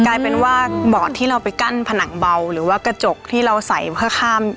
กลายเป็นว่าบอดที่เราไปกั้นผนังเบาหรือว่ากระจกที่เราใส่เพื่อข้าม